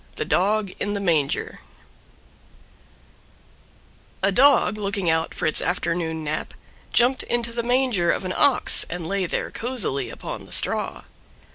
THE DOG IN THE MANGER A dog looking out for its afternoon nap jumped into the Manger of an Ox and lay there cosily upon the straw.